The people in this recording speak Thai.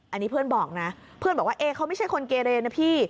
อันนี้เพื่อนบอกนะเพื่อนบอกว่าเอ๊เขาไม่ใช่คนเกเรนะพี่